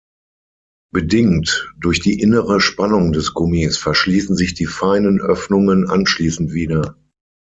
Bedingt durch die innere Spannung des Gummis verschließen sich die feinen Öffnungen anschließend wieder.